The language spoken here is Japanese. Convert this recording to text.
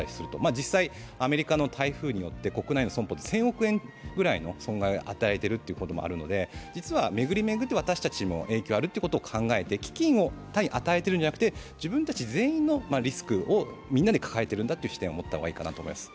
実際、アメリカの台風によって国内の損保に１０００億円ぐらいの損害を与えているということもあるので実は、巡り巡って私たちも影響があることを考えて、基金を他に与えてるんじゃなくて自分たち全員リスクを抱えているという視点を持った方がいいかなと思います。